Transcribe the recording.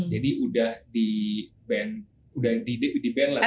jadi udah di ban udah di belan ya